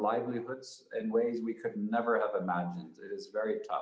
menjadi di dalam tunnel yang panjang dan gelap